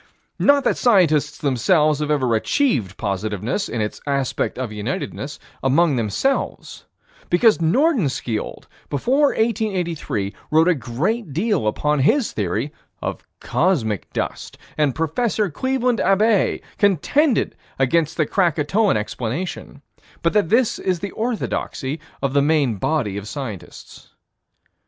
Not that scientists themselves have ever achieved positiveness, in its aspect of unitedness, among themselves because Nordenskiold, before 1883, wrote a great deal upon his theory of cosmic dust, and Prof. Cleveland Abbe contended against the Krakatoan explanation but that this is the orthodoxy of the main body of scientists.